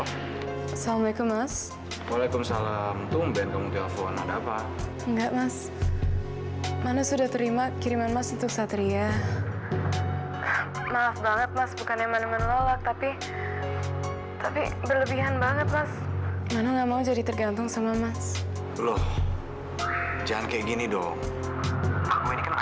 halo assalamu'alaikum mas waalaikumsalam tumben kamu telepon ada apa enggak mas mana sudah terima kiriman mas untuk satria maaf banget mas bukannya manu menolak tapi tapi berlebihan banget mas mana nggak mau jadi tergantung semua mas loh jangan kayak gini dong aku ini kandungnya satria